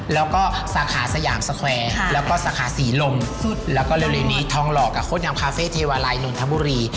แล้วก็สาขาสยามสแควร์แล้วก็สาขาศรีลมแล้วก็เร็วนี้ทองหลอกกับโคตรยำคาเฟ่เทวาลัยนนทบุรี